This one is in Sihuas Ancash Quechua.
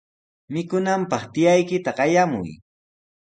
Mikunanpaq tiyaykita qayamuy.